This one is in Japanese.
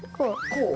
こう。